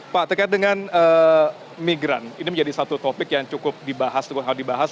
pak terkait dengan migran ini menjadi satu topik yang cukup dibahas cukup hal dibahas